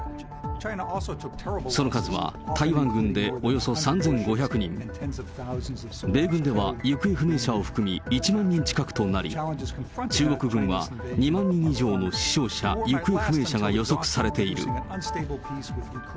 その数は、台湾軍でおよそ３５００人、米軍では行方不明者を含み１万人近くとなり、中国軍は２万人以上の死傷者、行方不明者が予測されている。